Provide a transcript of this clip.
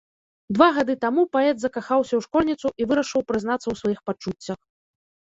Два гады таму паэт закахаўся ў школьніцу і вырашыў прызнацца ў сваіх пачуццях.